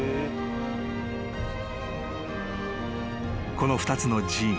［この２つの寺院］